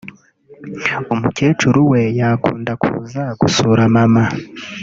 umukecuru we yakunda kuza gusura Maman